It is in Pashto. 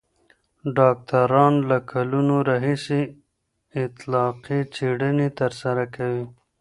ډاکټران له کلونو راهیسې اطلاقي څېړنې ترسره کوي.